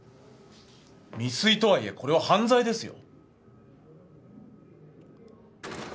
未遂とはいえこれは犯罪ですよ。